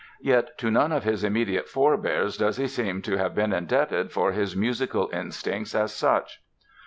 Yet to none of his immediate forbears does he seem to have been indebted for his musical instincts as such.